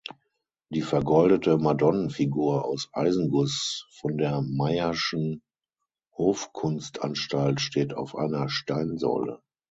Die vergoldete Madonnenfigur aus Eisenguss von der Mayer’schen Hofkunstanstalt steht auf einer Steinsäule.